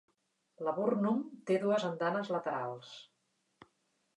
Laburnum té dues andanes laterals.